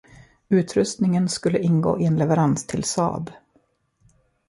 Utrustningen skulle ingå i en leverans till Saab.